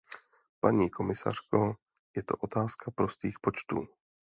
Paní komisařko, je to otázka prostých počtů.